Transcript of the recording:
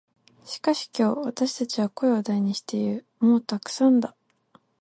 しかし今日、私たちは声を大にして言う。「もうたくさんだ」。